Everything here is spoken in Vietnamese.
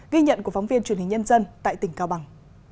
ghi nhận của phóng viên truyền hình nhân dân tại tỉnh cao bằng